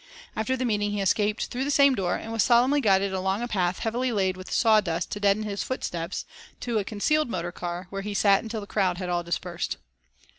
After the meeting he escaped through the same door and was solemnly guided along a path heavily laid with sawdust to deaden his footsteps, to a concealed motor car, where he sat until the crowd had all dispersed.